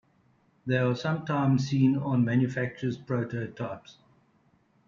They are sometimes seen on manufacturer's prototypes.